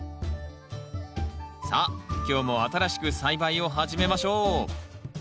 さあ今日も新しく栽培を始めましょう